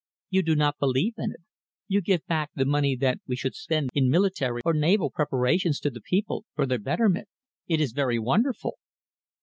You do not believe in it. You give back the money that we should spend in military or naval preparations to the people, for their betterment. It is very wonderful."